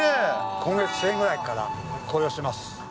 今月末ぐらいから紅葉しています。